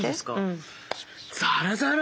ザラザラ！